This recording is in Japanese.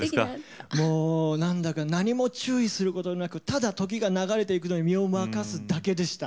なんだか何も注意することなくただ時が流れていくのに身を任せていくだけでした。